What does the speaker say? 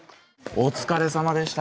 お疲れさまでした。